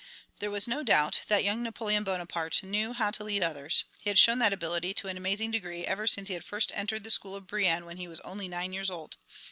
There was no doubt that young Napoleon Bonaparte knew how to lead others. He had shown that ability to an amazing degree ever since he had first entered the school of Brienne when he was only nine years old.